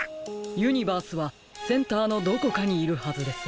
ユニバースはセンターのどこかにいるはずです。